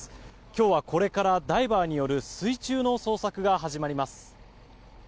今日はこれからダイバーによる水中の捜索が始まります。